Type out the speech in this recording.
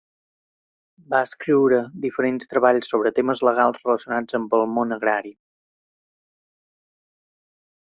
Va escriure diferents treballs sobre temes legals relacionats amb el món agrari.